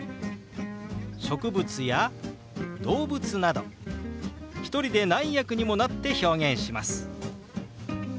植物や動物など１人で何役にもなって表現します。